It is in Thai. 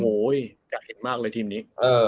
โอ้โหอยากเห็นมากเลยทีมนี้